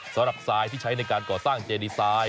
สำหรับสายที่ใช้ในการก่อสร้างเจดีสาย